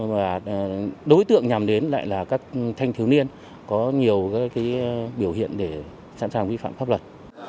và đối tượng nhằm đến lại là các thanh thiếu niên có nhiều biểu hiện để sẵn sàng vi phạm pháp luật